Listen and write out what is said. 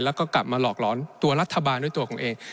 แล้วก็กลับมาหลอกหลอนตัวรัฐบาลด้วยตัวผมเอง